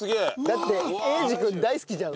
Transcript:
だって英二君大好きじゃん。